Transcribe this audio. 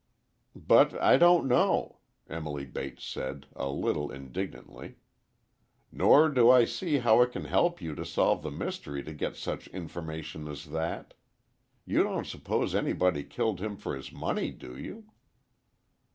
"But I don't know," Emily Bates said, a little indignantly. "Nor do I see how it can help you to solve the mystery to get such information as that. You don't suppose anybody killed him for his money, do you?"